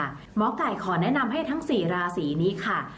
หมอไก่ขอแนะนำให้ทั้ง๔ราศีนี้ค่ะ